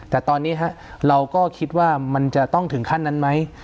แต่ตอนนี้เราก็คิดว่ามันจะต้องถึงขั้นนั้นไหม